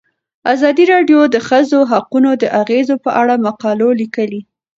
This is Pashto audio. ازادي راډیو د د ښځو حقونه د اغیزو په اړه مقالو لیکلي.